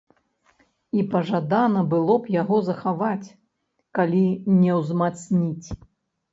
І пажадана было б яго захаваць, калі не ўзмацніць.